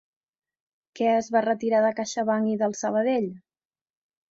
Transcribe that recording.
Què es va retirar de CaixaBank i del Sabadell?